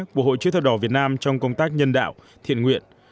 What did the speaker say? của hội chữ thập đỏ việt nam trong công tác nhân đạo thiện nguyện